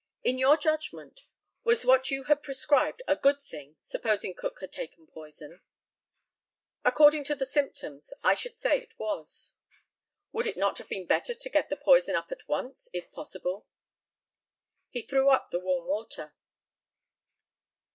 In your judgment, was what you had prescribed a good thing, supposing Cook had taken poison? According to the symptoms, I should say it was. Would it not have been better to get the poison up at once, if possible? He threw up the warm water.